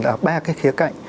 nhìn ở ba cái khía cạnh